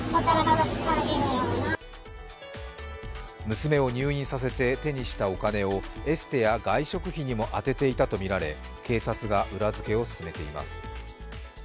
娘を入院させて手にしたお金をエステや外食費にも充てていたとみられ警察が裏づけを進めています。